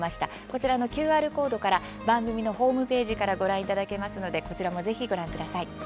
こちらのＱＲコードから番組のホームページからご覧いただけますのでこちらも是非ご覧ください。